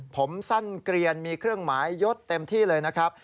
ผมสั้นเกลียนมีเครื่องหมายยดเต็มที่เลยนะครับ